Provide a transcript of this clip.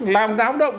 làm gáo động